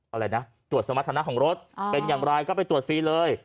อะไรนะตรวจสมรรถนะของรถเป็นอย่างไรก็ไปตรวจฟรีเลย